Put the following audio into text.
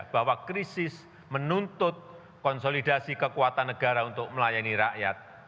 bahwa krisis menuntut konsolidasi kekuatan negara untuk melayani rakyat